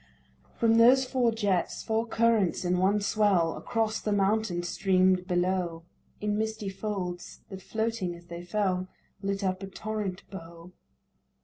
From those four jets four currents in one swell Across the mountain stream'd below In misty folds, that floating as they fell Lit up a torrent bow.